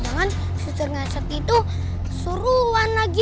tahan tahan susan ngeset itu suruhan lagi